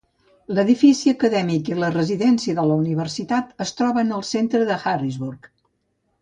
L'edifici acadèmic i la residència de la universitat es troben al centre de Harrisburg.